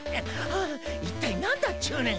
一体何だっちゅうねん！